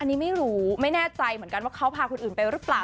อันนี้ไม่รู้ไม่แน่ใจเหมือนกันว่าเขาพาคนอื่นไปหรือเปล่า